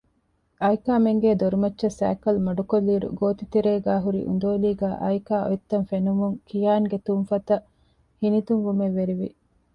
އައިކާމެންގޭ ދޮރުމައްޗަށް ސައިކަލު މަޑުކޮށްލިއިރު ގޯތިތެރޭގައި ހުރި އުނދޯލީގައި އައިކާ އޮތްތަން ފެނުމުން ކިޔާންގެ ތުންފަތަށް ހިނިތުންވުމެއް ވެރިވި